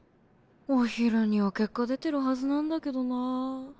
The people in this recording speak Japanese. お昼には結果出てるはずなんだけどなぁ。